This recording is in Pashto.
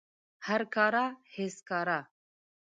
هر کاره هیڅ کاره